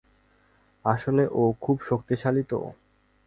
আসলে ও খুব শক্তিশালী তো।